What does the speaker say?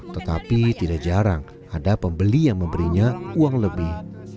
tetapi tidak jarang ada pembeli yang memberinya uang lebih